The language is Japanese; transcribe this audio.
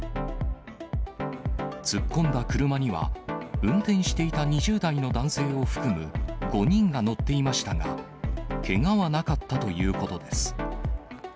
突っ込んだ車には、運転していた２０代の男性を含む５人が乗っていましたが、けがはなかったということです。